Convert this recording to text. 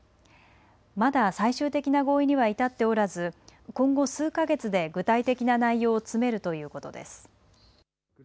まだ最終的な合意には至っておらず今後数か月で具体的な内容を詰めるということです。